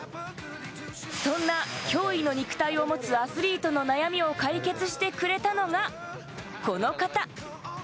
そんな驚異の肉体を持つアスリートの悩みを解決してくれたのが、この方。